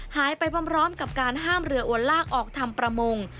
หายไปพร้อมกับการห้ามเรืออวนลากออกทำประมง